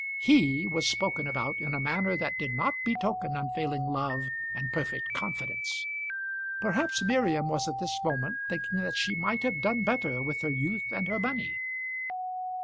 "He" was spoken about in a manner that did not betoken unfailing love and perfect confidence. Perhaps Miriam was at this moment thinking that she might have done better with her youth and her money!